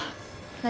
何？